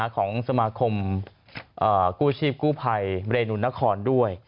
ของสมาคมกู้ชีพกู้ภัยเรนุนครด้วย